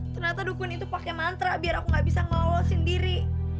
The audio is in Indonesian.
ternyata dukun itu pakai mantra biar aku nggak bisa ngelolosin diri